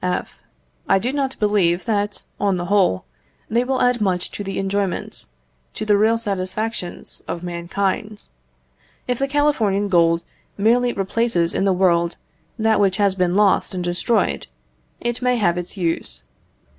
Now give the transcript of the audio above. F. I do not believe that, on the whole, they will add much to the enjoyments, to the real satisfactions of mankind. If the Californian gold merely replaces in the world that which has been lost and destroyed, it may have its use.